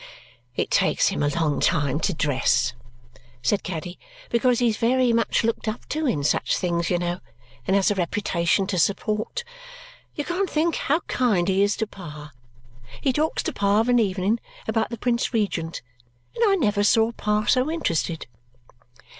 "It takes him a long time to dress," said Caddy, "because he is very much looked up to in such things, you know, and has a reputation to support. You can't think how kind he is to Pa. He talks to Pa of an evening about the Prince Regent, and I never saw Pa so interested."